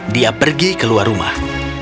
dia pergi keluar rumah